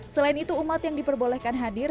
selain itu umat yang diperbolehkan hadir